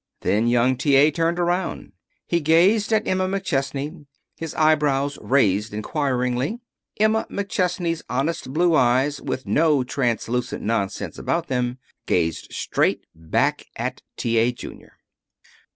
Then Young T. A. turned about. He gazed at Emma McChesney, his eyebrows raised inquiringly. Emma McChesney's honest blue eyes, with no translucent nonsense about them, gazed straight back at T. A. Junior.